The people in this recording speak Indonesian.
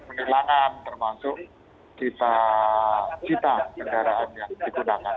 penilangan termasuk kita kendaraan yang digunakan